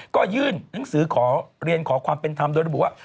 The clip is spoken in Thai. ก็ยื่นหนังสือขอเรียนขอความเป็นธรรมโดยระบุว่า